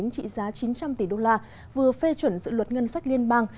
trị giá chín trăm linh tỷ đô la vừa phê chuẩn dự luật ngân sách liên bang